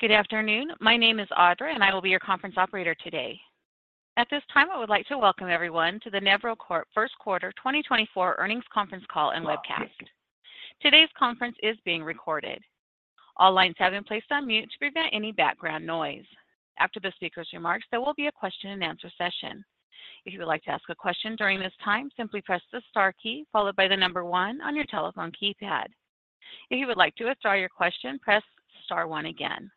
Good afternoon. My name is Audra, and I will be your conference operator today. At this time, I would like to welcome everyone to the Nevro Corp. First Quarter 2024 Earnings Conference Call and Webcast. Today's conference is being recorded. All lines have been placed on mute to prevent any background noise. After the speaker's remarks, there will be a question-and-answer session. If you would like to ask a question during this time, simply press the star key followed by the number one on your telephone keypad. If you would like to withdraw your question, press star one again.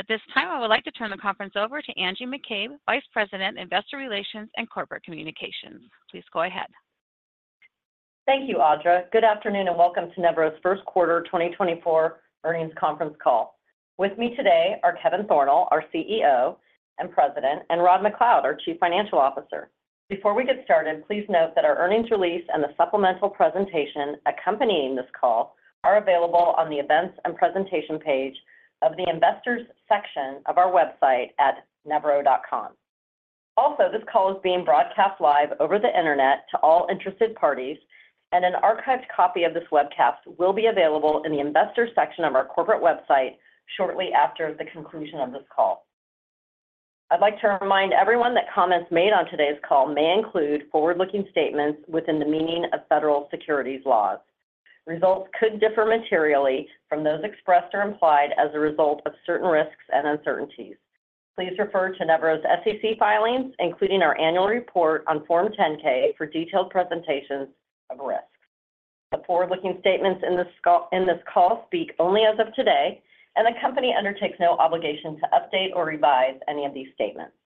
At this time, I would like to turn the conference over to Angie McCabe, Vice President, Investor Relations and Corporate Communications. Please go ahead. Thank you, Audra. Good afternoon and welcome to Nevro's First Quarter 2024 Earnings Conference Call. With me today are Kevin Thornal, our CEO and President, and Rod MacLeod, our Chief Financial Officer. Before we get started, please note that our earnings release and the supplemental presentation accompanying this call are available on the events and presentation page of the Investors section of our website at nevro.com. Also, this call is being broadcast live over the internet to all interested parties, and an archived copy of this webcast will be available in the Investors section of our corporate website shortly after the conclusion of this call. I'd like to remind everyone that comments made on today's call may include forward-looking statements within the meaning of federal securities laws. Results could differ materially from those expressed or implied as a result of certain risks and uncertainties. Please refer to Nevro's SEC filings, including our annual report on Form 10-K for detailed presentations of risks. The forward-looking statements in this call speak only as of today, and the company undertakes no obligation to update or revise any of these statements.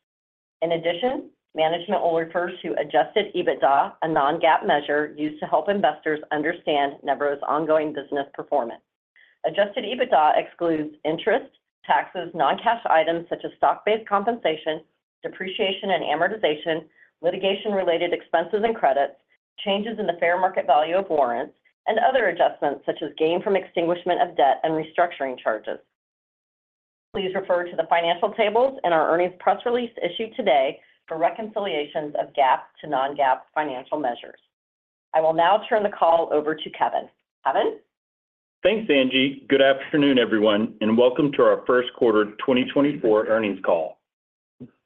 In addition, management will refer to Adjusted EBITDA, a non-GAAP measure used to help investors understand Nevro's ongoing business performance. Adjusted EBITDA excludes interest, taxes, non-cash items such as stock-based compensation, depreciation and amortization, litigation-related expenses and credits, changes in the fair market value of warrants, and other adjustments such as gain from extinguishment of debt and restructuring charges. Please refer to the financial tables in our earnings press release issued today for reconciliations of GAAP to non-GAAP financial measures. I will now turn the call over to Kevin. Kevin? Thanks, Angie. Good afternoon, everyone, and welcome to our First Quarter 2024 Earnings Call.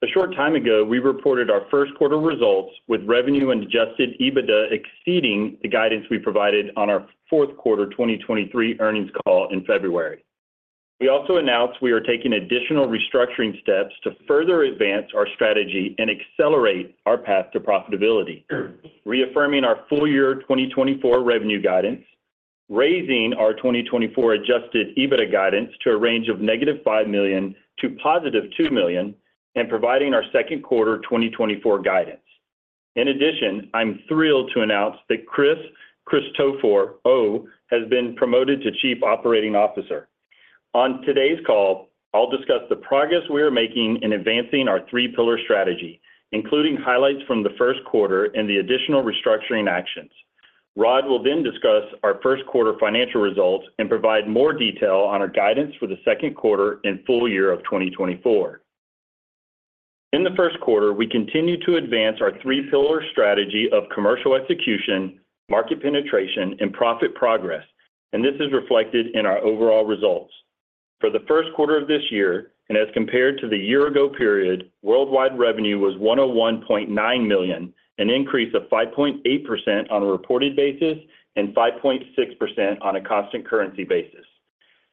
A short time ago, we reported our First Quarter results with revenue and adjusted EBITDA exceeding the guidance we provided on our Fourth Quarter 2023 Earnings Call in February. We also announced we are taking additional restructuring steps to further advance our strategy and accelerate our path to profitability, reaffirming our full-year 2024 revenue guidance, raising our 2024 adjusted EBITDA guidance to a range of -$5 million to +$2 million, and providing our Second Quarter 2024 guidance. In addition, I'm thrilled to announce that Chris Christoforou has been promoted to Chief Operating Officer. On today's call, I'll discuss the progress we are making in advancing our three-pillar strategy, including highlights from the First Quarter and the additional restructuring actions. Rod will then discuss our First Quarter financial results and provide more detail on our guidance for the Second Quarter and full year of 2024. In the First Quarter, we continue to advance our three-pillar strategy of commercial execution, market penetration, and profit progress, and this is reflected in our overall results. For the First Quarter of this year and as compared to the year-ago period, worldwide revenue was $101.9 million, an increase of 5.8% on a reported basis and 5.6% on a constant currency basis.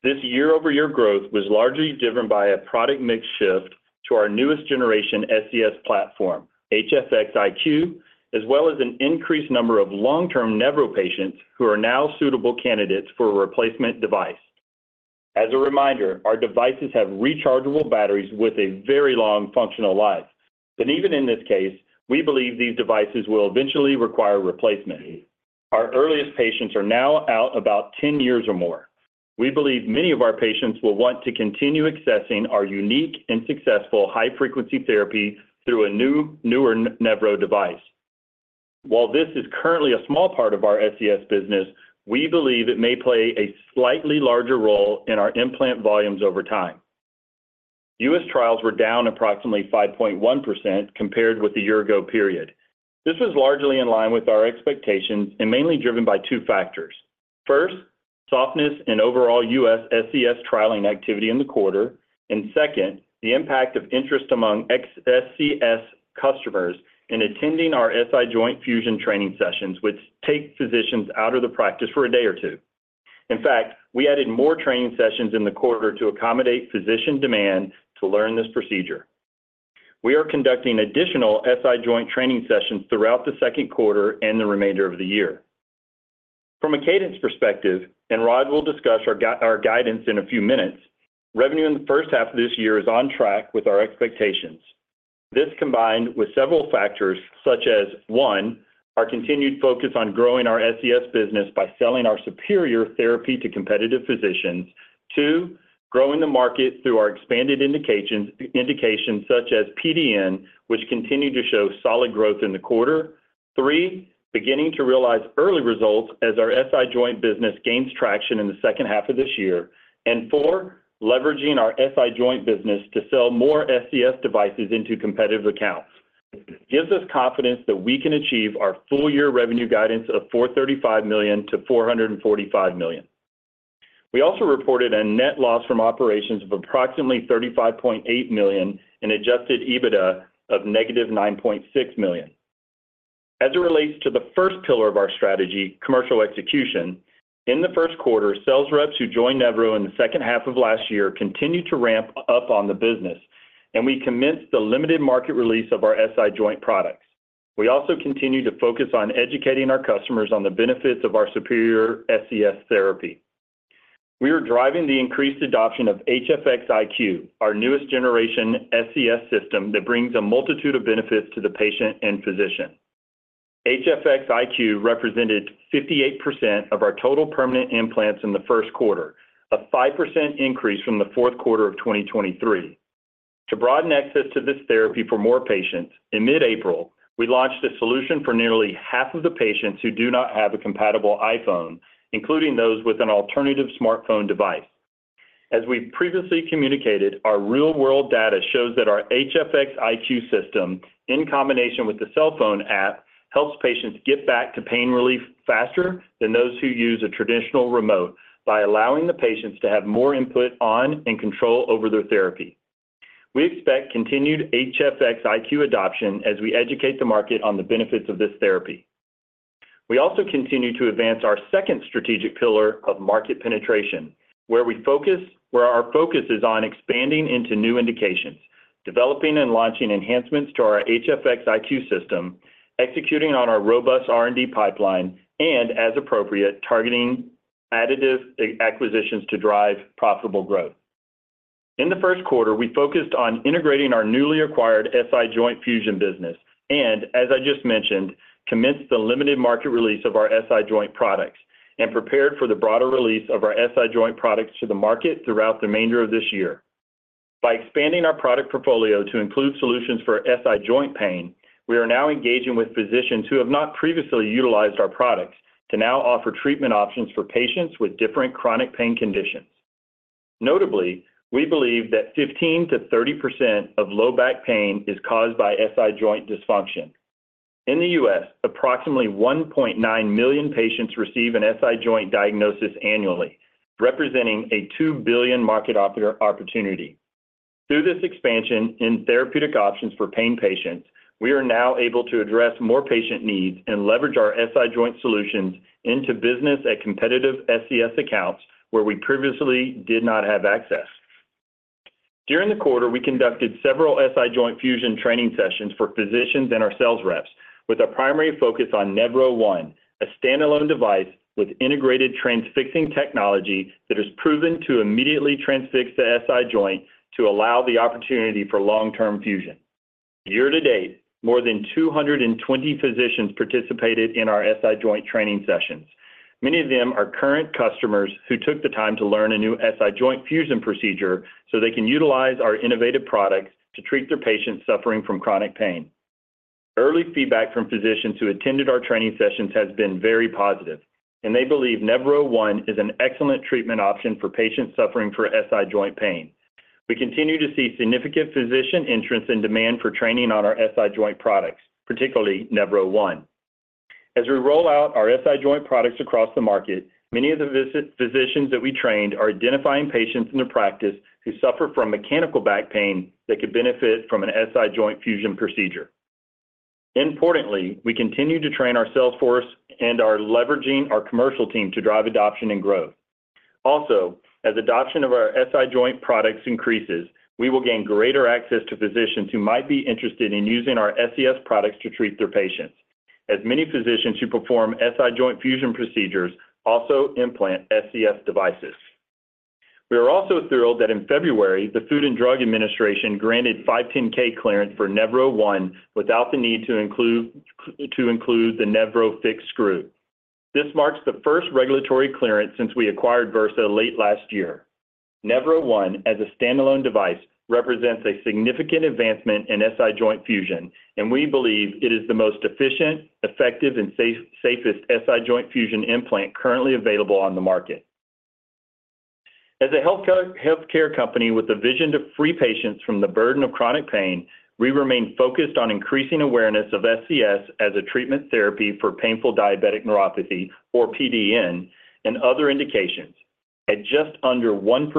This year-over-year growth was largely driven by a product mix shift to our newest generation SCS platform, HFX iQ, as well as an increased number of long-term Nevro patients who are now suitable candidates for a replacement device. As a reminder, our devices have rechargeable batteries with a very long functional life, but even in this case, we believe these devices will eventually require replacement. Our earliest patients are now out about 10 years or more. We believe many of our patients will want to continue accessing our unique and successful high-frequency therapy through a newer Nevro device. While this is currently a small part of our SCS business, we believe it may play a slightly larger role in our implant volumes over time. U.S. trials were down approximately 5.1% compared with the year-ago period. This was largely in line with our expectations and mainly driven by two factors. First, softness in overall U.S. SCS trialing activity in the quarter, and second, the impact of interest among SCS customers in attending our SI joint fusion training sessions, which take physicians out of the practice for a day or two. In fact, we added more training sessions in the quarter to accommodate physician demand to learn this procedure. We are conducting additional SI joint training sessions throughout the second quarter and the remainder of the year. From a cadence perspective, and Rod will discuss our guidance in a few minutes, revenue in the first half of this year is on track with our expectations. This combined with several factors such as, one, our continued focus on growing our SCS business by selling our superior therapy to competitive physicians, two, growing the market through our expanded indications such as PDN, which continue to show solid growth in the quarter, three, beginning to realize early results as our SI joint business gains traction in the second half of this year, and four, leveraging our SI joint business to sell more SCS devices into competitive accounts. This gives us confidence that we can achieve our full-year revenue guidance of $435 million-$445 million. We also reported a net loss from operations of approximately $35.8 million and adjusted EBITDA of negative $9.6 million. As it relates to the first pillar of our strategy, commercial execution, in the first quarter, sales reps who joined Nevro in the second half of last year continued to ramp up on the business, and we commenced the limited market release of our SI joint products. We also continue to focus on educating our customers on the benefits of our superior SCS therapy. We are driving the increased adoption of HFX iQ, our newest generation SCS system that brings a multitude of benefits to the patient and physician. HFX iQ represented 58% of our total permanent implants in the first quarter, a 5% increase from the fourth quarter of 2023. To broaden access to this therapy for more patients, in mid-April, we launched a solution for nearly half of the patients who do not have a compatible iPhone, including those with an alternative smartphone device. As we've previously communicated, our real-world data shows that our HFX iQ system, in combination with the cell phone app, helps patients get back to pain relief faster than those who use a traditional remote by allowing the patients to have more input on and control over their therapy. We expect continued HFX iQ adoption as we educate the market on the benefits of this therapy. We also continue to advance our second strategic pillar of market penetration, where our focus is on expanding into new indications, developing and launching enhancements to our HFX iQ system, executing on our robust R&D pipeline, and, as appropriate, targeting additive acquisitions to drive profitable growth. In the first quarter, we focused on integrating our newly acquired SI joint fusion business and, as I just mentioned, commenced the limited market release of our SI joint products and prepared for the broader release of our SI joint products to the market throughout the remainder of this year. By expanding our product portfolio to include solutions for SI joint pain, we are now engaging with physicians who have not previously utilized our products to now offer treatment options for patients with different chronic pain conditions. Notably, we believe that 15%-30% of low back pain is caused by SI joint dysfunction. In the U.S., approximately 1.9 million patients receive an SI joint diagnosis annually, representing a $2 billion market opportunity. Through this expansion in therapeutic options for pain patients, we are now able to address more patient needs and leverage our SI joint solutions into business at competitive SCS accounts where we previously did not have access. During the quarter, we conducted several SI joint fusion training sessions for physicians and our sales reps, with a primary focus on Nevro1, a standalone device with integrated transfixing technology that has proven to immediately transfix the SI joint to allow the opportunity for long-term fusion. Year to date, more than 220 physicians participated in our SI joint training sessions. Many of them are current customers who took the time to learn a new SI joint fusion procedure so they can utilize our innovative products to treat their patients suffering from chronic pain. Early feedback from physicians who attended our training sessions has been very positive, and they believe Nevro1 is an excellent treatment option for patients suffering from SI joint pain. We continue to see significant physician entrance and demand for training on our SI joint products, particularly Nevro1. As we roll out our SI joint products across the market, many of the physicians that we trained are identifying patients in the practice who suffer from mechanical back pain that could benefit from an SI joint fusion procedure. Importantly, we continue to train our sales force and are leveraging our commercial team to drive adoption and growth. Also, as adoption of our SI joint products increases, we will gain greater access to physicians who might be interested in using our SCS products to treat their patients, as many physicians who perform SI joint fusion procedures also implant SCS devices. We are also thrilled that in February, the Food and Drug Administration granted 510(k) clearance for Nevro1 without the need to include the NevroFix screw. This marks the first regulatory clearance since we acquired Vyrsa late last year. Nevro1, as a standalone device, represents a significant advancement in SI joint fusion, and we believe it is the most efficient, effective, and safest SI joint fusion implant currently available on the market. As a healthcare company with a vision to free patients from the burden of chronic pain, we remain focused on increasing awareness of SCS as a treatment therapy for painful diabetic neuropathy, or PDN, and other indications. At just under 1%,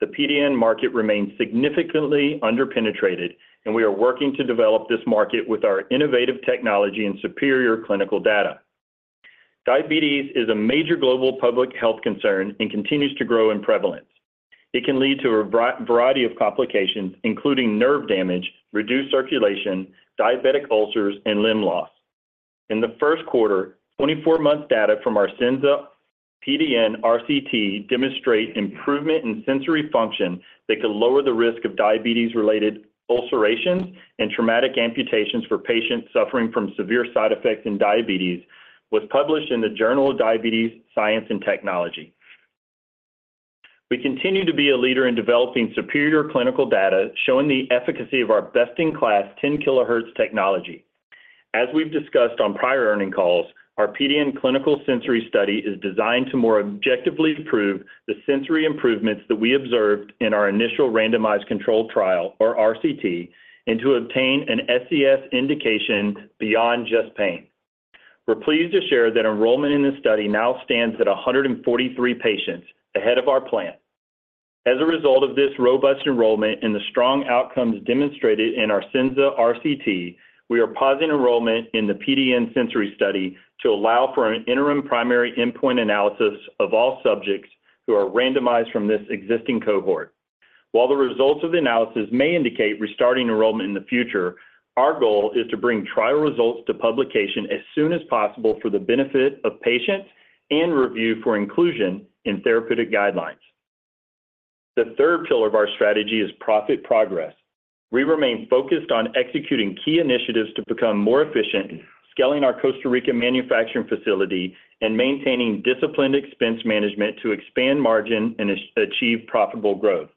the PDN market remains significantly underpenetrated, and we are working to develop this market with our innovative technology and superior clinical data. Diabetes is a major global public health concern and continues to grow in prevalence. It can lead to a variety of complications, including nerve damage, reduced circulation, diabetic ulcers, and limb loss. In the First Quarter, 24-month data from our SENZA-PDN RCT demonstrate improvement in sensory function that could lower the risk of diabetes-related ulcerations and traumatic amputations for patients suffering from severe side effects in diabetes, was published in the Journal of Diabetes Science and Technology. We continue to be a leader in developing superior clinical data showing the efficacy of our best-in-class 10 kilohertz technology. As we've discussed on prior earnings calls, our PDN clinical sensory study is designed to more objectively prove the sensory improvements that we observed in our initial randomized controlled trial, or RCT, and to obtain an SCS indication beyond just pain. We're pleased to share that enrollment in the study now stands at 143 patients ahead of our plan. As a result of this robust enrollment and the strong outcomes demonstrated in our SENZA-PDN RCT, we are pausing enrollment in the PDN sensory study to allow for an interim primary endpoint analysis of all subjects who are randomized from this existing cohort. While the results of the analysis may indicate restarting enrollment in the future, our goal is to bring trial results to publication as soon as possible for the benefit of patients and review for inclusion in therapeutic guidelines. The third pillar of our strategy is profit progress. We remain focused on executing key initiatives to become more efficient, scaling our Costa Rica manufacturing facility, and maintaining disciplined expense management to expand margin and achieve profitable growth.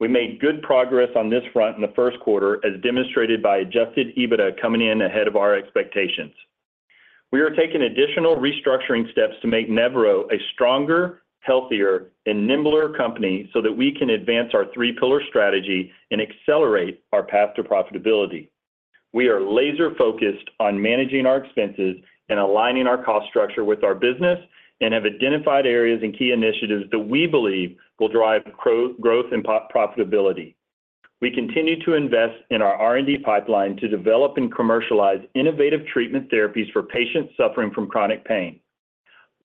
We made good progress on this front in the first quarter, as demonstrated by Adjusted EBITDA coming in ahead of our expectations. We are taking additional restructuring steps to make Nevro a stronger, healthier, and nimbler company so that we can advance our three-pillar strategy and accelerate our path to profitability. We are laser-focused on managing our expenses and aligning our cost structure with our business and have identified areas and key initiatives that we believe will drive growth and profitability. We continue to invest in our R&D pipeline to develop and commercialize innovative treatment therapies for patients suffering from chronic pain.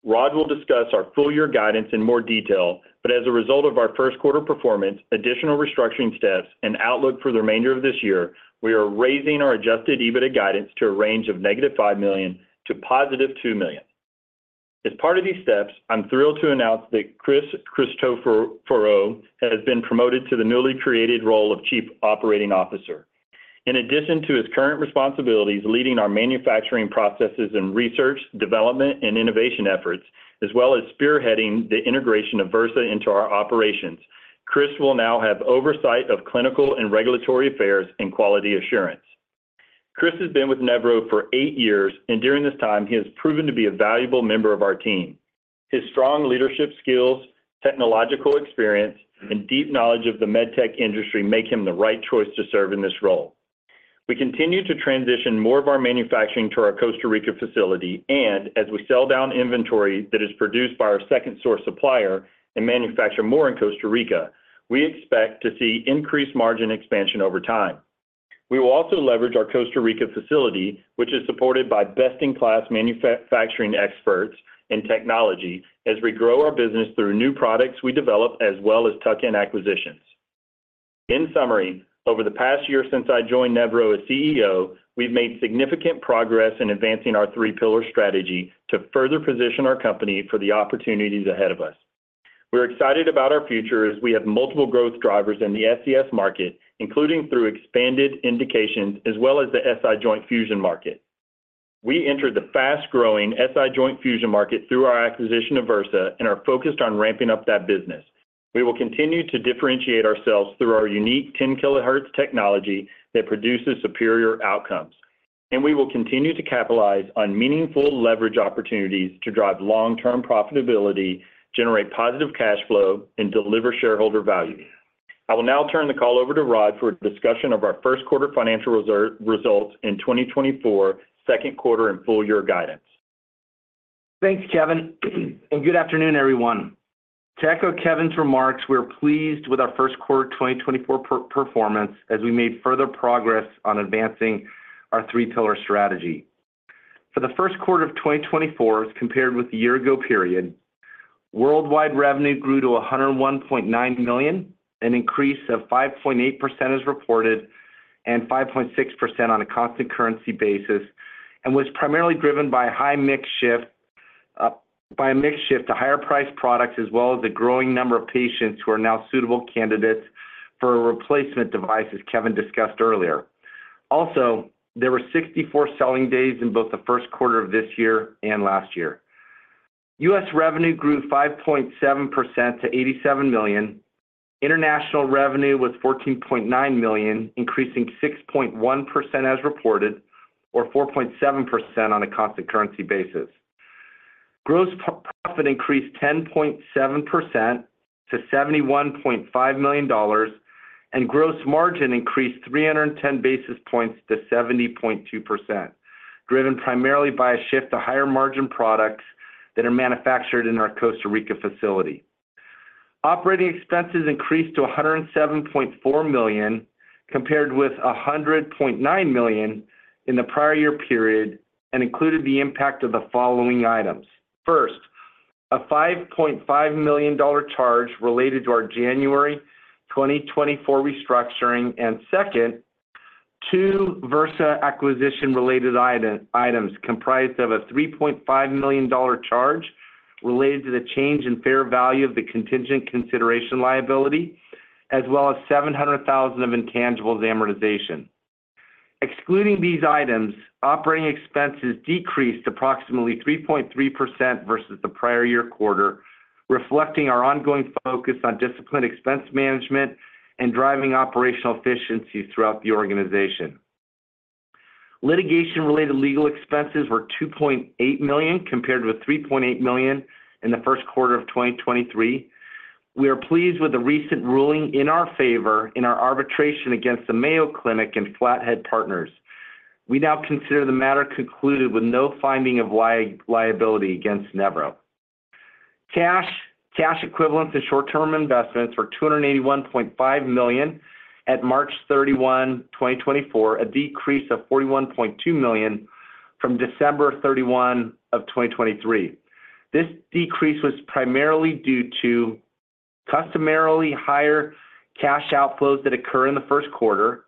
Rod will discuss our full-year guidance in more detail, but as a result of our first quarter performance, additional restructuring steps, and outlook for the remainder of this year, we are raising our Adjusted EBITDA guidance to a range of -$5 million to +$2 million. As part of these steps, I'm thrilled to announce that Chris Christoforou has been promoted to the newly created role of Chief Operating Officer. In addition to his current responsibilities leading our manufacturing processes and research, development, and innovation efforts, as well as spearheading the integration of Vyrsa into our operations, Chris will now have oversight of clinical and regulatory affairs and quality assurance. Chris has been with Nevro for eight years, and during this time, he has proven to be a valuable member of our team. His strong leadership skills, technological experience, and deep knowledge of the medtech industry make him the right choice to serve in this role. We continue to transition more of our manufacturing to our Costa Rica facility, and as we sell down inventory that is produced by our second source supplier and manufacture more in Costa Rica, we expect to see increased margin expansion over time. We will also leverage our Costa Rica facility, which is supported by best-in-class manufacturing experts and technology, as we grow our business through new products we develop as well as tuck-in acquisitions. In summary, over the past year since I joined Nevro as CEO, we've made significant progress in advancing our three-pillar strategy to further position our company for the opportunities ahead of us. We're excited about our future as we have multiple growth drivers in the SCS market, including through expanded indications as well as the SI joint fusion market. We entered the fast-growing SI joint fusion market through our acquisition of Vyrsa and are focused on ramping up that business. We will continue to differentiate ourselves through our unique 10 kilohertz technology that produces superior outcomes, and we will continue to capitalize on meaningful leverage opportunities to drive long-term profitability, generate positive cash flow, and deliver shareholder value. I will now turn the call over to Rod for a discussion of our First Quarter financial results in 2024, Second Quarter, and full-year guidance. Thanks, Kevin, and good afternoon, everyone. To echo Kevin's remarks, we're pleased with our First Quarter 2024 performance as we made further progress on advancing our three-pillar strategy. For the First Quarter of 2024 as compared with the year-ago period, worldwide revenue grew to $101.9 million, an increase of 5.8% as reported and 5.6% on a constant currency basis, and was primarily driven by a high mix shift to higher-priced products as well as a growing number of patients who are now suitable candidates for replacement devices, Kevin discussed earlier. Also, there were 64 selling days in both the First Quarter of this year and last year. US revenue grew 5.7% to $87 million. International revenue was $14.9 million, increasing 6.1% as reported, or 4.7% on a constant currency basis. Gross profit increased 10.7% to $71.5 million, and gross margin increased 310 basis points to 70.2%, driven primarily by a shift to higher-margin products that are manufactured in our Costa Rica facility. Operating expenses increased to $107.4 million compared with $100.9 million in the prior year period and included the impact of the following items. First, a $5.5 million charge related to our January 2024 restructuring, and second, two Vyrsa acquisition-related items comprised of a $3.5 million charge related to the change in fair value of the contingent consideration liability, as well as $700,000 of intangibles amortization. Excluding these items, operating expenses decreased approximately 3.3% versus the prior year quarter, reflecting our ongoing focus on disciplined expense management and driving operational efficiency throughout the organization. Litigation-related legal expenses were $2.8 million compared with $3.8 million in the First Quarter of 2023. We are pleased with the recent ruling in our favor in our arbitration against the Mayo Clinic and Flathead Partners. We now consider the matter concluded with no finding of liability against Nevro. Cash equivalents and short-term investments were $281.5 million at March 31, 2024, a decrease of $41.2 million from December 31 of 2023. This decrease was primarily due to customarily higher cash outflows that occur in the First Quarter,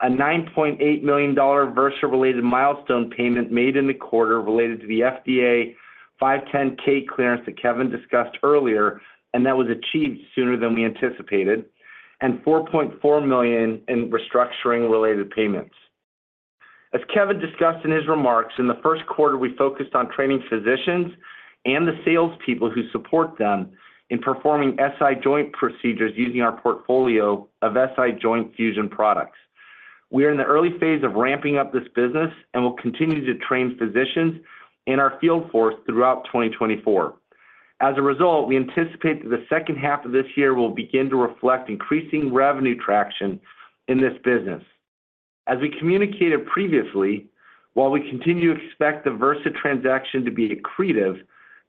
a $9.8 million Vyrsa-related milestone payment made in the quarter related to the FDA 510(k) clearance that Kevin discussed earlier, and that was achieved sooner than we anticipated, and $4.4 million in restructuring-related payments. As Kevin discussed in his remarks, in the First Quarter, we focused on training physicians and the salespeople who support them in performing SI joint procedures using our portfolio of SI joint fusion products. We are in the early phase of ramping up this business and will continue to train physicians and our field force throughout 2024. As a result, we anticipate that the second half of this year will begin to reflect increasing revenue traction in this business. As we communicated previously, while we continue to expect the Vyrsa transaction to be accretive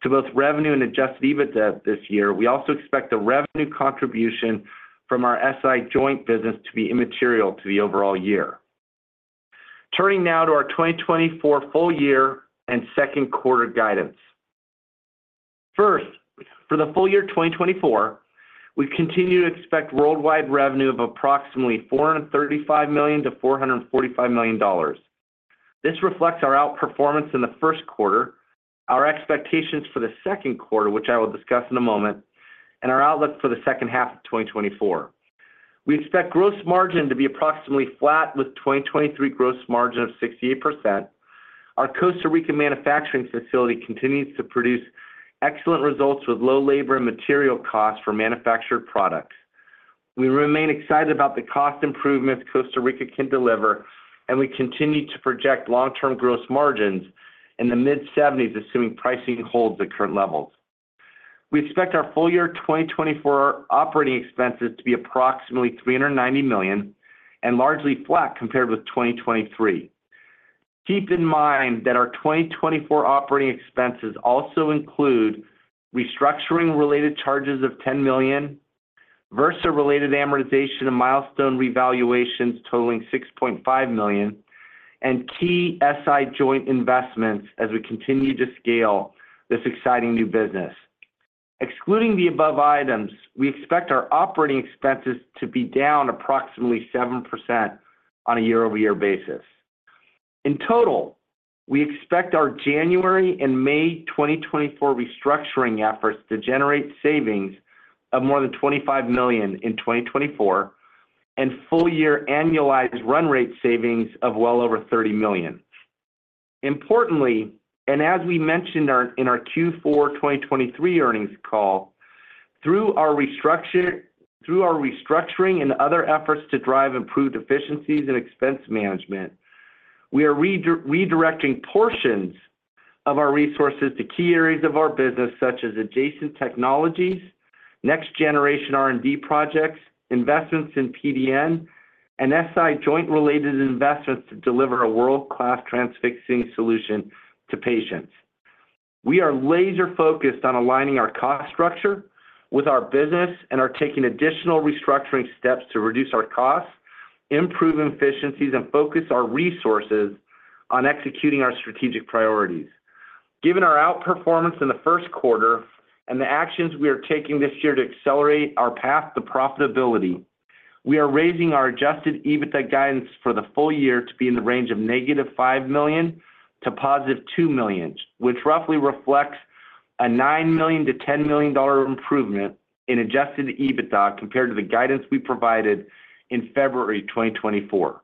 to both revenue and Adjusted EBITDA this year, we also expect the revenue contribution from our SI joint business to be immaterial to the overall year. Turning now to our 2024 full year and Second Quarter guidance. First, for the full year 2024, we continue to expect worldwide revenue of approximately $435 million-$445 million. This reflects our outperformance in the First Quarter, our expectations for the Second Quarter, which I will discuss in a moment, and our outlook for the second half of 2024. We expect gross margin to be approximately flat with a 2023 gross margin of 68%. Our Costa Rica manufacturing facility continues to produce excellent results with low labor and material costs for manufactured products. We remain excited about the cost improvements Costa Rica can deliver, and we continue to project long-term gross margins in the mid-70s, assuming pricing holds at current levels. We expect our full year 2024 operating expenses to be approximately $390 million and largely flat compared with 2023. Keep in mind that our 2024 operating expenses also include restructuring-related charges of $10 million, Vyrsa-related amortization and milestone revaluations totaling $6.5 million, and key SI joint investments as we continue to scale this exciting new business. Excluding the above items, we expect our operating expenses to be down approximately 7% on a year-over-year basis. In total, we expect our January and May 2024 restructuring efforts to generate savings of more than $25 million in 2024 and full-year annualized run-rate savings of well over $30 million. Importantly, and as we mentioned in our Q4 2023 earnings call, through our restructuring and other efforts to drive improved efficiencies and expense management, we are redirecting portions of our resources to key areas of our business such as adjacent technologies, next-generation R&D projects, investments in PDN, and SI joint-related investments to deliver a world-class transfixing solution to patients. We are laser-focused on aligning our cost structure with our business and are taking additional restructuring steps to reduce our costs, improve efficiencies, and focus our resources on executing our strategic priorities. Given our outperformance in the First Quarter and the actions we are taking this year to accelerate our path to profitability, we are raising our adjusted EBITDA guidance for the full year to be in the range of -$5 million to $2 million, which roughly reflects a $9 million-$10 million improvement in adjusted EBITDA compared to the guidance we provided in February 2024.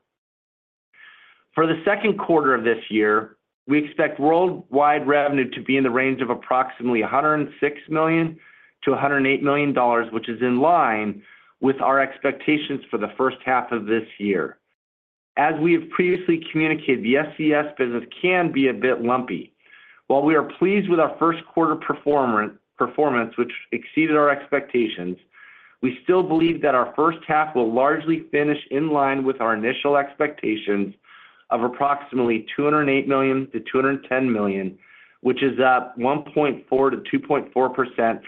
For the Second Quarter of this year, we expect worldwide revenue to be in the range of approximately $106 million-$108 million, which is in line with our expectations for the first half of this year. As we have previously communicated, the SCS business can be a bit lumpy. While we are pleased with our First Quarter performance, which exceeded our expectations, we still believe that our first half will largely finish in line with our initial expectations of approximately $208 million-$210 million, which is up 1.4%-2.4% for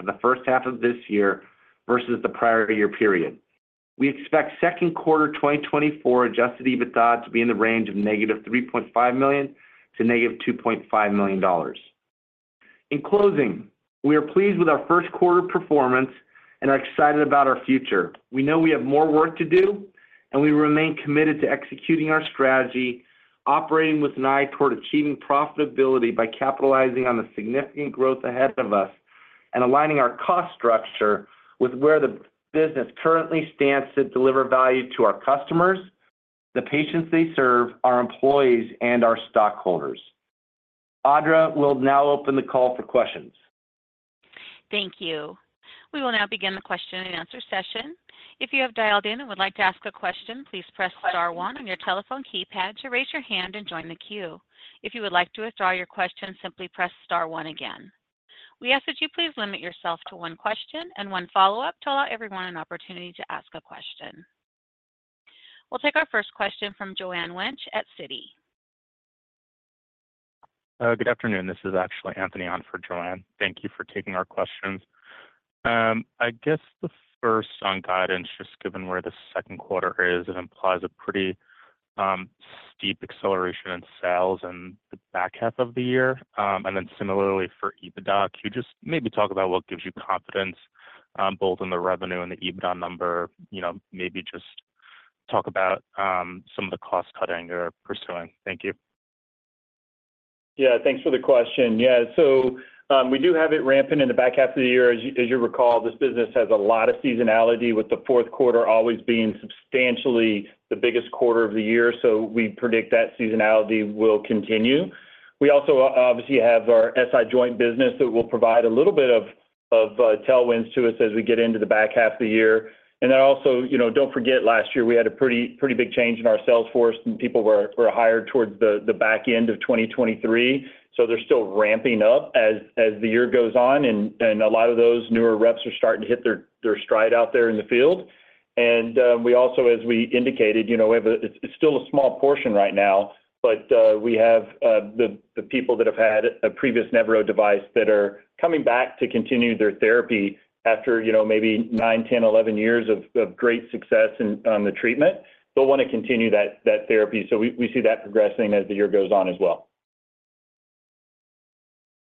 the first half of this year versus the prior year period. We expect Second Quarter 2024 adjusted EBITDA to be in the range of -$3.5 million to -$2.5 million. In closing, we are pleased with our First Quarter performance and are excited about our future. We know we have more work to do, and we remain committed to executing our strategy, operating with an eye toward achieving profitability by capitalizing on the significant growth ahead of us and aligning our cost structure with where the business currently stands to deliver value to our customers, the patients they serve, our employees, and our stockholders. Audra will now open the call for questions. Thank you. We will now begin the question-and-answer session. If you have dialed in and would like to ask a question, please press star one on your telephone keypad to raise your hand and join the queue. If you would like to withdraw your question, simply press star one again. We ask that you please limit yourself to one question and one follow-up to allow everyone an opportunity to ask a question. We'll take our first question from Joanne Wuensch at Citi. Good afternoon. This is actually Anthony on for Joanne. Thank you for taking our questions. I guess the first on guidance, just given where the second quarter is, it implies a pretty steep acceleration in sales in the back half of the year. And then similarly for EBITDA, can you just maybe talk about what gives you confidence, both in the revenue and the EBITDA number? Maybe just talk about some of the cost cutting you're pursuing. Thank you. Yeah, thanks for the question. Yeah, so we do have it ramping in the back half of the year. As you recall, this business has a lot of seasonality, with the Fourth Quarter always being substantially the biggest quarter of the year. So we predict that seasonality will continue. We also obviously have our SI joint business that will provide a little bit of tailwinds to us as we get into the back half of the year. And then also, don't forget, last year we had a pretty big change in our sales force, and people were hired towards the back end of 2023. So they're still ramping up as the year goes on, and a lot of those newer reps are starting to hit their stride out there in the field. And we also, as we indicated, we have. It's still a small portion right now, but we have the people that have had a previous Nevro device that are coming back to continue their therapy after maybe nine, 10, 11 years of great success on the treatment. They'll want to continue that therapy. So we see that progressing as the year goes on as well.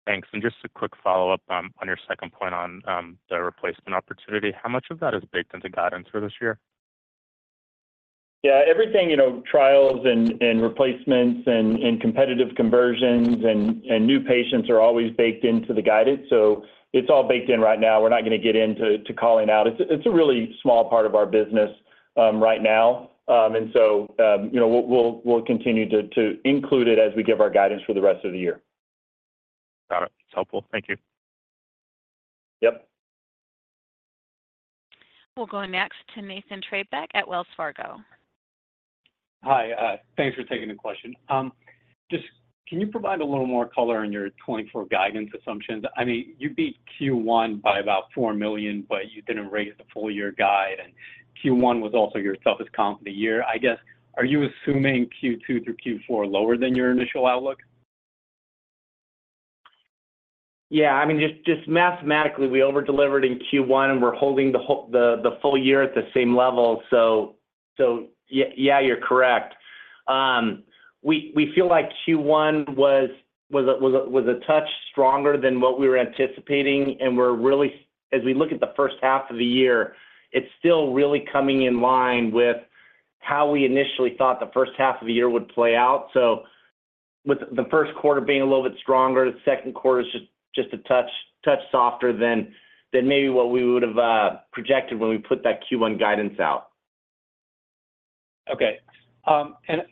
Thanks. Just a quick follow-up on your second point on the replacement opportunity. How much of that is baked into guidance for this year? Yeah, everything, trials and replacements and competitive conversions and new patients, are always baked into the guidance. So it's all baked in right now. We're not going to get into calling out. It's a really small part of our business right now. So we'll continue to include it as we give our guidance for the rest of the year. Got it. That's helpful. Thank you. Yep. We'll go next to Nathan Treybeck at Wells Fargo. Hi. Thanks for taking the question. Just can you provide a little more color on your 2024 guidance assumptions? I mean, you beat Q1 by about $4 million, but you didn't raise the full-year guide, and Q1 was also your toughest comp of the year. I guess, are you assuming Q2 through Q4 lower than your initial outlook? Yeah. I mean, just mathematically, we overdelivered in Q1, and we're holding the full year at the same level. So yeah, you're correct. We feel like Q1 was a touch stronger than what we were anticipating. And as we look at the first half of the year, it's still really coming in line with how we initially thought the first half of the year would play out. So with the First Quarter being a little bit stronger, the Second Quarter is just a touch softer than maybe what we would have projected when we put that Q1 guidance out. Okay. And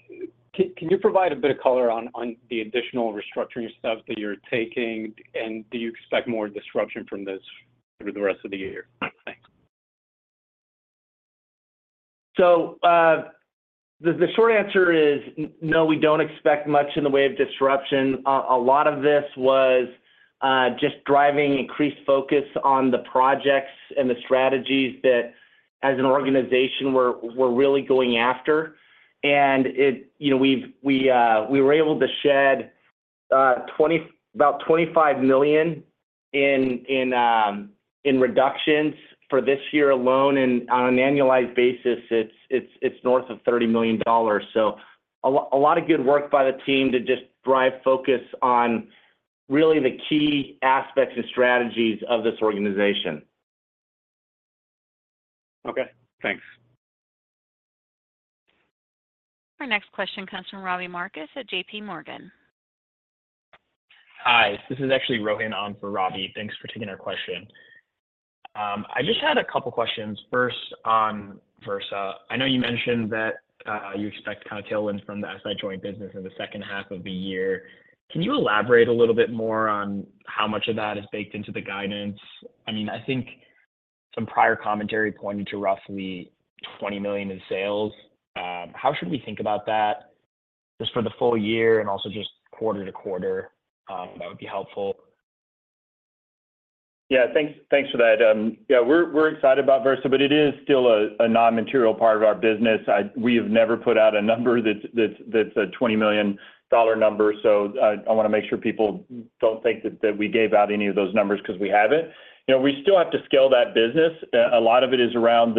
can you provide a bit of color on the additional restructuring steps that you're taking? And do you expect more disruption from this through the rest of the year? Thanks. So the short answer is no, we don't expect much in the way of disruption. A lot of this was just driving increased focus on the projects and the strategies that, as an organization, we're really going after. And we were able to shed about $25 million in reductions for this year alone. And on an annualized basis, it's north of $30 million. So a lot of good work by the team to just drive focus on really the key aspects and strategies of this organization. Okay. Thanks. Our next question comes from Robbie Marcus at JPMorgan. Hi. This is actually Rohan on for Robbie. Thanks for taking our question. I just had a couple of questions. First, on Vyrsa, I know you mentioned that you expect kind of tailwinds from the SI joint business in the second half of the year. Can you elaborate a little bit more on how much of that is baked into the guidance? I mean, I think some prior commentary pointed to roughly $20 million in sales. How should we think about that just for the full year and also just quarter to quarter? That would be helpful. Yeah, thanks for that. Yeah, we're excited about Vyrsa, but it is still a non-material part of our business. We have never put out a number that's a $20 million number. So I want to make sure people don't think that we gave out any of those numbers because we haven't. We still have to scale that business. A lot of it is around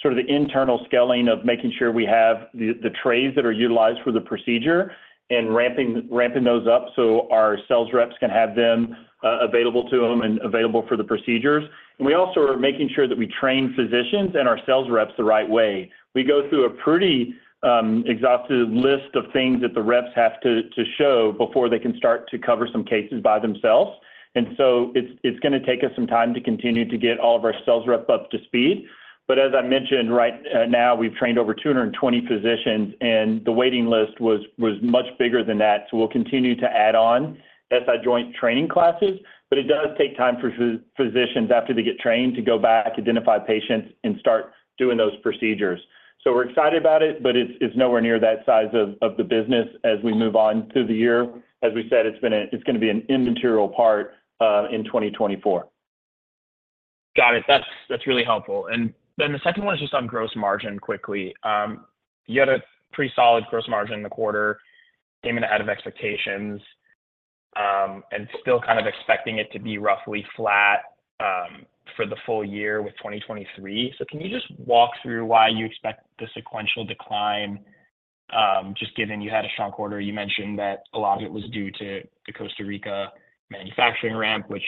sort of the internal scaling of making sure we have the trays that are utilized for the procedure and ramping those up so our sales reps can have them available to them and available for the procedures. And we also are making sure that we train physicians and our sales reps the right way. We go through a pretty exhaustive list of things that the reps have to show before they can start to cover some cases by themselves. It's going to take us some time to continue to get all of our sales reps up to speed. But as I mentioned, right now, we've trained over 220 physicians, and the waiting list was much bigger than that. So we'll continue to add on SI joint training classes. But it does take time for physicians, after they get trained, to go back, identify patients, and start doing those procedures. So we're excited about it, but it's nowhere near that size of the business as we move on through the year. As we said, it's going to be an immaterial part in 2024. Got it. That's really helpful. And then the second one is just on gross margin quickly. You had a pretty solid gross margin in the quarter, came in ahead of expectations, and still kind of expecting it to be roughly flat for the full year with 2023. So can you just walk through why you expect the sequential decline, just given you had a strong quarter? You mentioned that a lot of it was due to the Costa Rica manufacturing ramp, which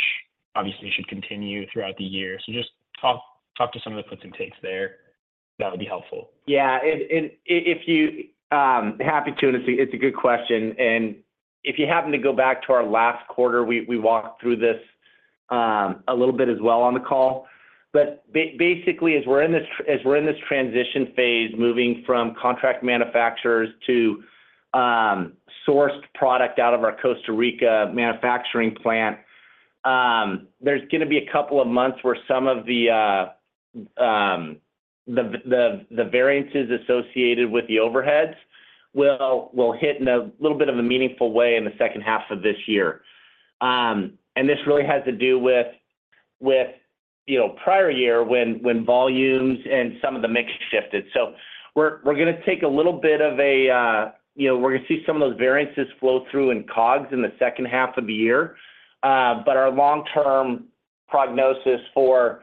obviously should continue throughout the year. So just talk to some of the puts and takes there. That would be helpful. Yeah. And if you're happy to, and it's a good question. And if you happen to go back to our last quarter, we walked through this a little bit as well on the call. But basically, as we're in this transition phase, moving from contract manufacturers to sourced product out of our Costa Rica manufacturing plant, there's going to be a couple of months where some of the variances associated with the overheads will hit in a little bit of a meaningful way in the second half of this year. And this really has to do with prior year when volumes and some of the mix shifted. So we're going to see some of those variances flow through in COGS in the second half of the year. Our long-term prognosis for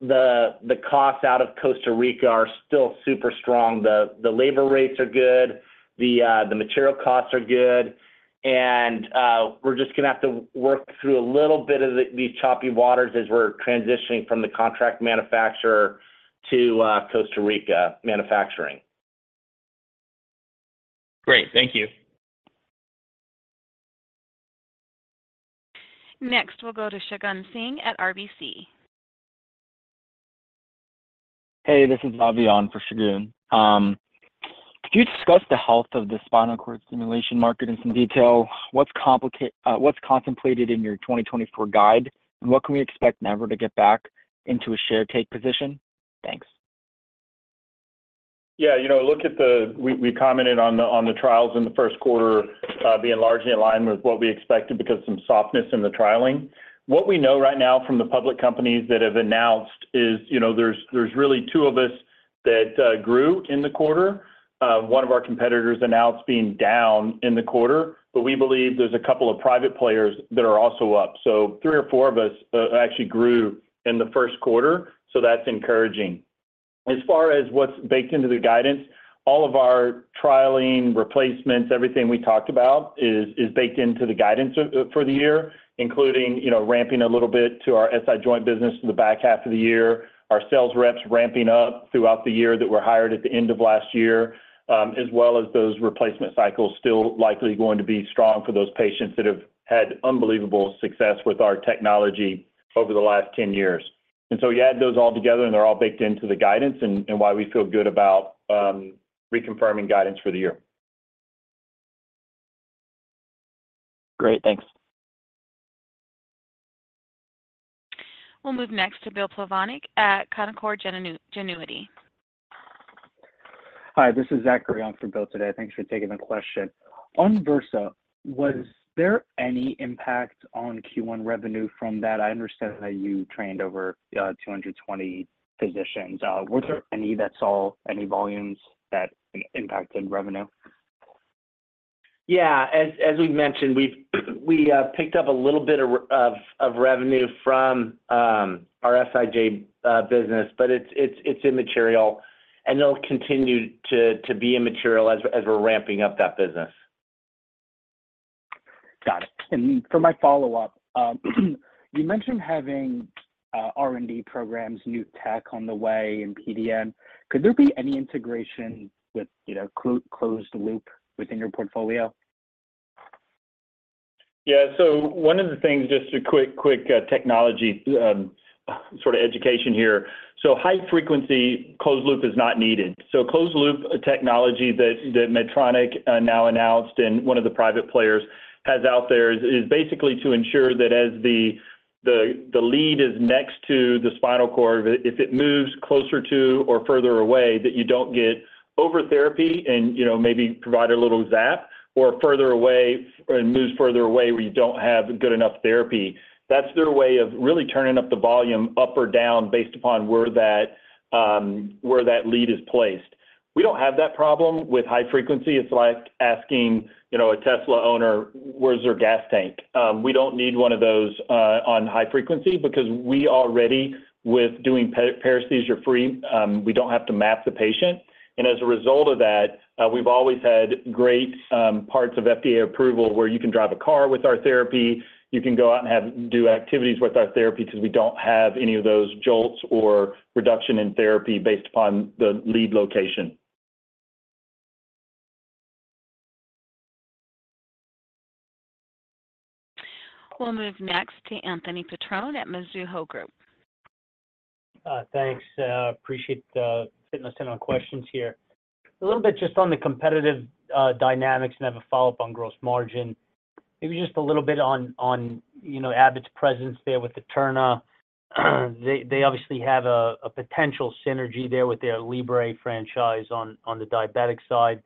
the costs out of Costa Rica are still super strong. The labor rates are good. The material costs are good. We're just going to have to work through a little bit of these choppy waters as we're transitioning from the contract manufacturer to Costa Rica manufacturing. Great. Thank you. Next, we'll go to Shagun Singh at RBC. Hey, this is Avi on for Shagun. Could you discuss the health of the spinal cord stimulation market in some detail? What's contemplated in your 2024 guide, and what can we expect Nevro to get back into a share-take position? Thanks. Yeah. Look, we commented on the trials in the first quarter being largely in line with what we expected because of some softness in the trialing. What we know right now from the public companies that have announced is there's really two of us that grew in the quarter. One of our competitors announced being down in the quarter, but we believe there's a couple of private players that are also up. So three or four of us actually grew in the first quarter. So that's encouraging. As far as what's baked into the guidance, all of our trialing, replacements, everything we talked about is baked into the guidance for the year, including ramping a little bit to our SI joint business in the back half of the year, our sales reps ramping up throughout the year that were hired at the end of last year, as well as those replacement cycles still likely going to be strong for those patients that have had unbelievable success with our technology over the last 10 years. And so you add those all together, and they're all baked into the guidance and why we feel good about reconfirming guidance for the year. Great. Thanks. We'll move next to Bill Plovanic at Canaccord Genuity. Hi. This is Zachary Day for Bill today. Thanks for taking the question. On Vyrsa, was there any impact on Q1 revenue from that? I understand that you trained over 220 physicians. Were there any that saw any volumes that impacted revenue? Yeah. As we mentioned, we picked up a little bit of revenue from our SIJ business, but it's immaterial. It'll continue to be immaterial as we're ramping up that business. Got it. For my follow-up, you mentioned having R&D programs, new tech on the way, and PDN. Could there be any integration with closed loop within your portfolio? Yeah. So one of the things, just a quick technology sort of education here. So high-frequency closed-loop is not needed. So closed-loop, a technology that Medtronic now announced and one of the private players has out there, is basically to ensure that as the lead is next to the spinal cord, if it moves closer to or further away, that you don't get over therapy and maybe provide a little zap, or further away and moves further away where you don't have good enough therapy. That's their way of really turning up the volume up or down based upon where that lead is placed. We don't have that problem with high frequency. It's like asking a Tesla owner, "Where's your gas tank?" We don't need one of those on high frequency because we already, with doing paresthesia-free, we don't have to map the patient. As a result of that, we've always had great parts of FDA approval where you can drive a car with our therapy. You can go out and do activities with our therapy because we don't have any of those jolts or reduction in therapy based upon the lead location. We'll move next to Anthony Petrone at Mizuho Group. Thanks. Appreciate sitting us in on questions here. A little bit just on the competitive dynamics and have a follow-up on gross margin. Maybe just a little bit on Abbott's presence there with Eterna. They obviously have a potential synergy there with their Libre franchise on the diabetic side.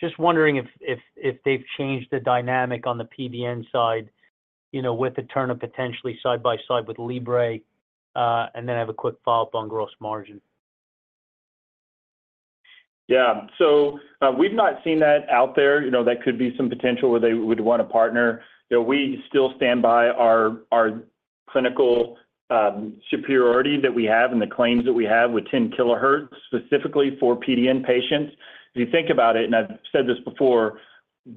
Just wondering if they've changed the dynamic on the PDN side with Eterna potentially side by side with Libre. And then have a quick follow-up on gross margin. Yeah. So we've not seen that out there. That could be some potential where they would want to partner. We still stand by our clinical superiority that we have and the claims that we have with 10 kilohertz specifically for PDN patients. If you think about it, and I've said this before,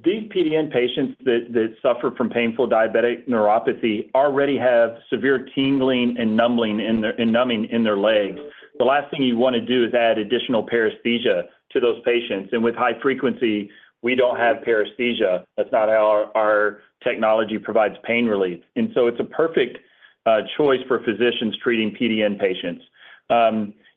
these PDN patients that suffer from painful diabetic neuropathy already have severe tingling and numbing in their legs. The last thing you want to do is add additional paresthesia to those patients. And with high frequency, we don't have paresthesia. That's not how our technology provides pain relief. And so it's a perfect choice for physicians treating PDN patients.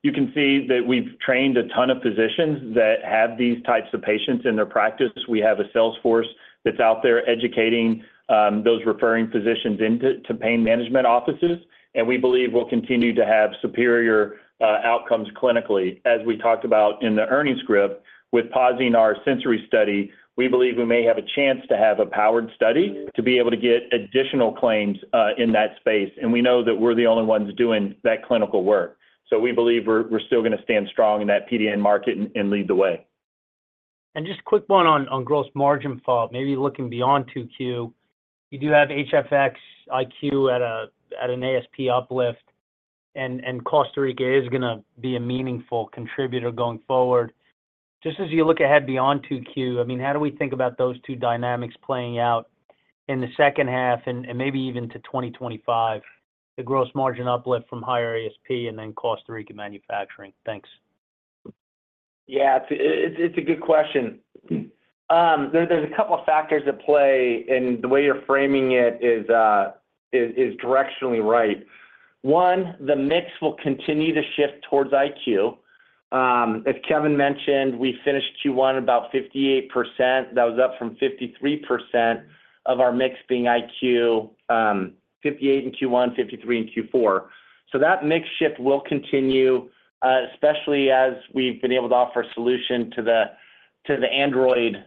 You can see that we've trained a ton of physicians that have these types of patients in their practice. We have a sales force that's out there educating those referring physicians into pain management offices. We believe we'll continue to have superior outcomes clinically. As we talked about in the earnings script, with pausing our sensory study, we believe we may have a chance to have a powered study to be able to get additional claims in that space. We know that we're the only ones doing that clinical work. We believe we're still going to stand strong in that PDN market and lead the way. Just a quick one on gross margin follow-up, maybe looking beyond 2Q. You do have HFX iQ at an ASP uplift. And Costa Rica is going to be a meaningful contributor going forward. Just as you look ahead beyond 2Q, I mean, how do we think about those two dynamics playing out in the second half and maybe even to 2025, the gross margin uplift from higher ASP and then Costa Rica manufacturing? Thanks. Yeah. It's a good question. There's a couple of factors at play, and the way you're framing it is directionally right. One, the mix will continue to shift towards IQ. As Kevin mentioned, we finished Q1 at about 58%. That was up from 53% of our mix being IQ, 58 in Q1, 53 in Q4. So that mix shift will continue, especially as we've been able to offer a solution to the Android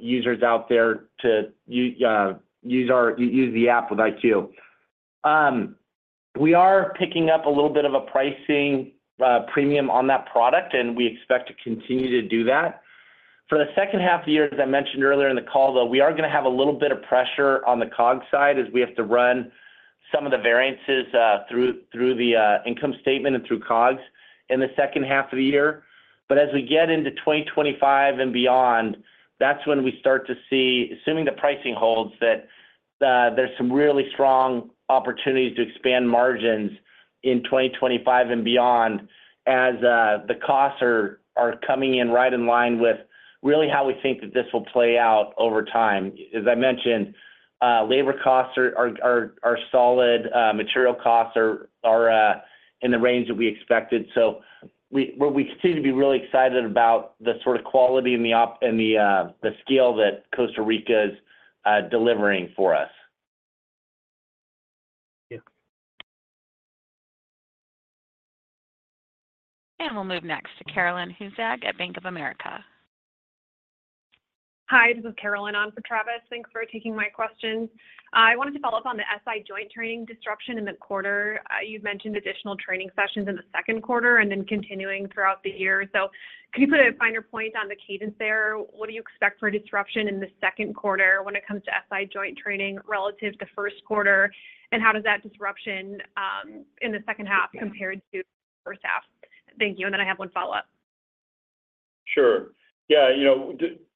users out there to use the app with IQ. We are picking up a little bit of a pricing premium on that product, and we expect to continue to do that. For the second half of the year, as I mentioned earlier in the call, though, we are going to have a little bit of pressure on the COGS side as we have to run some of the variances through the income statement and through COGS in the second half of the year. But as we get into 2025 and beyond, that's when we start to see, assuming the pricing holds, that there's some really strong opportunities to expand margins in 2025 and beyond as the costs are coming in right in line with really how we think that this will play out over time. As I mentioned, labor costs are solid. Material costs are in the range that we expected. So we continue to be really excited about the sort of quality and the scale that Costa Rica is delivering for us. Yeah. We'll move next to Carolyn Huszagh at Bank of America. Hi. This is Carolyn on for Travis. Thanks for taking my question. I wanted to follow up on the SI joint training disruption in the quarter. You've mentioned additional training sessions in the second quarter and then continuing throughout the year. So could you put a finer point on the cadence there? What do you expect for disruption in the second quarter when it comes to SI joint training relative to first quarter? And how does that disruption in the second half compare to the first half? Thank you. And then I have one follow-up. Sure. Yeah.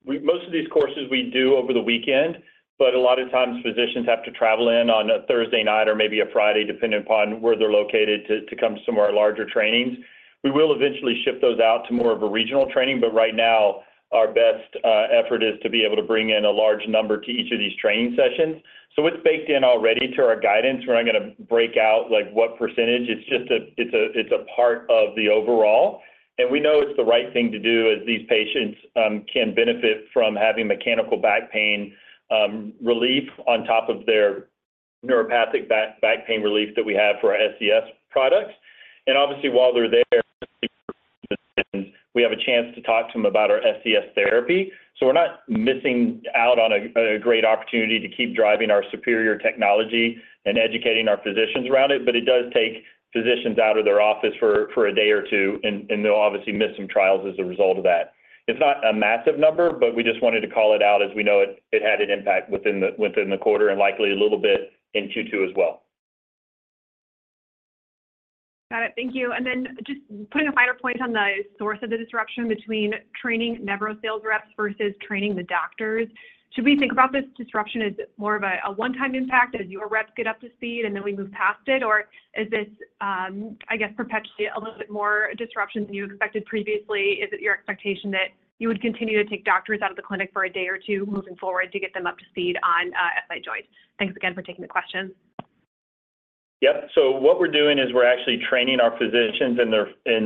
Most of these courses, we do over the weekend, but a lot of times, physicians have to travel in on a Thursday night or maybe a Friday, depending upon where they're located, to come to some of our larger trainings. We will eventually shift those out to more of a regional training, but right now, our best effort is to be able to bring in a large number to each of these training sessions. So it's baked in already to our guidance. We're not going to break out what percentage. It's a part of the overall. And we know it's the right thing to do as these patients can benefit from having mechanical back pain relief on top of their neuropathic back pain relief that we have for our SCS products. And obviously, while they're there, we have a chance to talk to them about our SCS therapy. We're not missing out on a great opportunity to keep driving our superior technology and educating our physicians around it. But it does take physicians out of their office for a day or two, and they'll obviously miss some trials as a result of that. It's not a massive number, but we just wanted to call it out as we know it had an impact within the quarter and likely a little bit in Q2 as well. Got it. Thank you. And then just putting a finer point on the source of the disruption between training Nevro sales reps versus training the doctors. Should we think about this disruption as more of a one-time impact as your reps get up to speed and then we move past it? Or is this, I guess, perpetually a little bit more disruption than you expected previously? Is it your expectation that you would continue to take doctors out of the clinic for a day or two moving forward to get them up to speed on SI joint? Thanks again for taking the question. Yep. So what we're doing is we're actually training our physicians and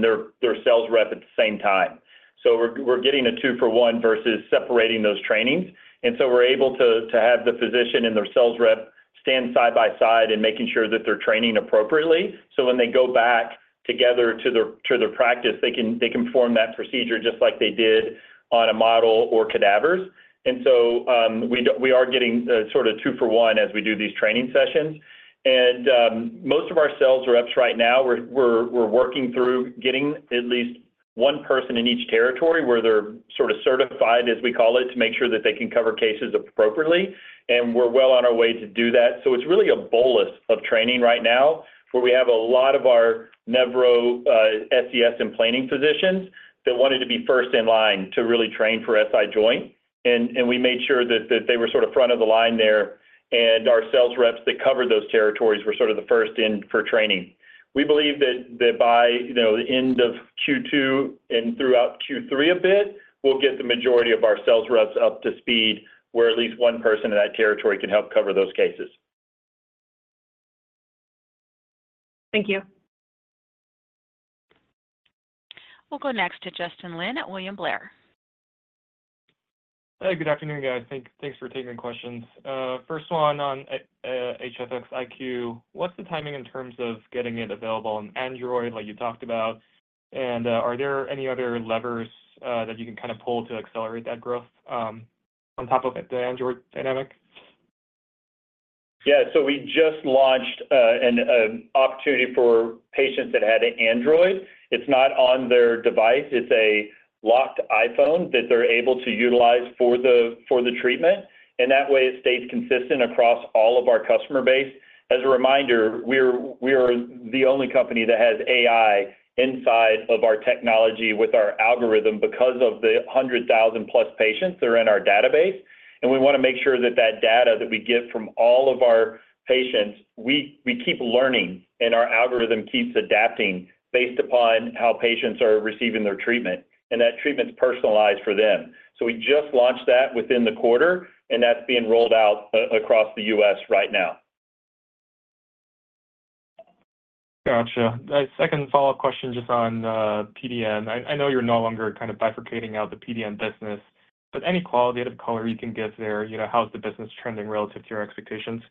their sales rep at the same time. So we're getting a two-for-one versus separating those trainings. And so we're able to have the physician and their sales rep stand side by side and making sure that they're training appropriately. So when they go back together to their practice, they can perform that procedure just like they did on a model or cadavers. And so we are getting sort of two-for-one as we do these training sessions. And most of our sales reps right now, we're working through getting at least one person in each territory where they're sort of certified, as we call it, to make sure that they can cover cases appropriately. And we're well on our way to do that. So it's really a bolus of training right now where we have a lot of our Nevro SCS and planning physicians that wanted to be first in line to really train for SI joint. And we made sure that they were sort of front of the line there. And our sales reps that covered those territories were sort of the first in for training. We believe that by the end of Q2 and throughout Q3 a bit, we'll get the majority of our sales reps up to speed where at least one person in that territory can help cover those cases. Thank you. We'll go next to Justin Lin at William Blair. Good afternoon, guys. Thanks for taking the questions. First one on HFX iQ. What's the timing in terms of getting it available on Android, like you talked about? And are there any other levers that you can kind of pull to accelerate that growth on top of the Android dynamic? Yeah. So we just launched an opportunity for patients that had Android. It's not on their device. It's a locked iPhone that they're able to utilize for the treatment. And that way, it stays consistent across all of our customer base. As a reminder, we are the only company that has AI inside of our technology with our algorithm because of the 100,000-plus patients that are in our database. And we want to make sure that that data that we get from all of our patients, we keep learning, and our algorithm keeps adapting based upon how patients are receiving their treatment. And that treatment's personalized for them. So we just launched that within the quarter, and that's being rolled out across the US right now. Gotcha. Second follow-up question just on PDN. I know you're no longer kind of bifurcating out the PDN business, but any qualitative color you can give there, how's the business trending relative to your expectations?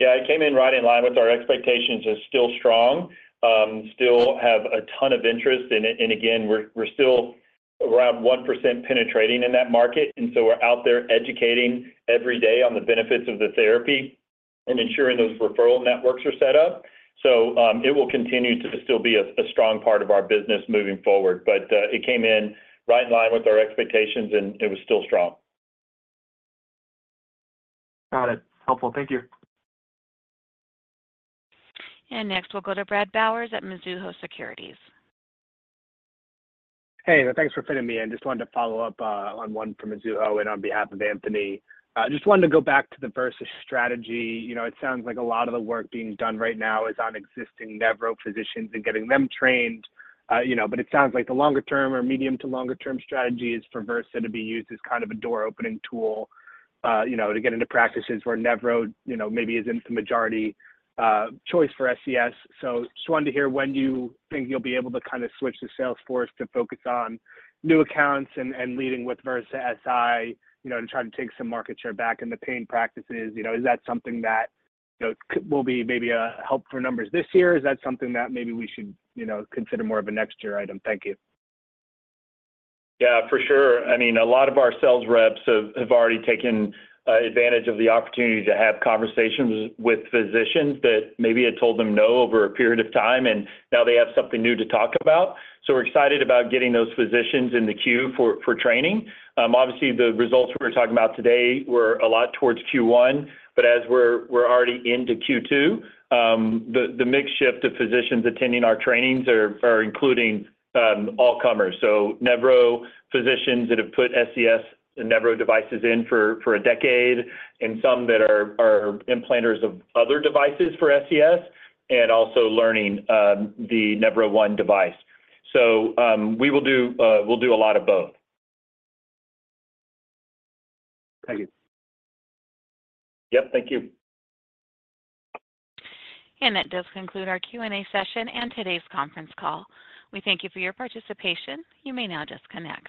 Yeah. It came in right in line with our expectations and still strong. Still have a ton of interest. And again, we're still around 1% penetrating in that market. And so we're out there educating every day on the benefits of the therapy and ensuring those referral networks are set up. So it will continue to still be a strong part of our business moving forward. But it came in right in line with our expectations, and it was still strong. Got it. Helpful. Thank you. Next, we'll go to Brad Bowers at Mizuho Securities. Hey. Thanks for fitting me in. Just wanted to follow up on one from Mizuho and on behalf of Anthony. Just wanted to go back to the Vyrsa strategy. It sounds like a lot of the work being done right now is on existing Nevro physicians and getting them trained. But it sounds like the longer-term or medium to longer-term strategy is for Vyrsa to be used as kind of a door-opening tool to get into practices where Nevro maybe isn't the majority choice for SCS. So just wanted to hear when you think you'll be able to kind of switch to sales force to focus on new accounts and leading with Vyrsa SI to try to take some market share back in the pain practices. Is that something that will be maybe a help for numbers this year? Is that something that maybe we should consider more of a next-year item? Thank you. Yeah, for sure. I mean, a lot of our sales reps have already taken advantage of the opportunity to have conversations with physicians that maybe had told them no over a period of time, and now they have something new to talk about. So we're excited about getting those physicians in the queue for training. Obviously, the results we were talking about today were a lot towards Q1, but as we're already into Q2, the mix shift of physicians attending our trainings are including all-comers. So Nevro physicians that have put SCS and Nevro devices in for a decade and some that are implanters of other devices for SCS and also learning the Nevro1 device. So we'll do a lot of both. Thank you. Yep. Thank you. That does conclude our Q&A session and today's conference call. We thank you for your participation. You may now disconnect.